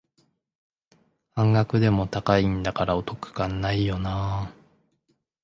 半額でも高いんだからお得感ないよなあ